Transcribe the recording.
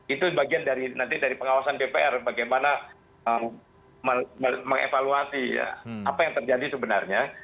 itu bagian dari pengawasan bpr bagaimana mengevaluasi apa yang terjadi sebenarnya